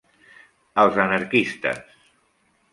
Els anarquistes.